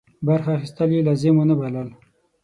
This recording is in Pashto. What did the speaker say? برخه اخیستل یې لازم ونه بلل.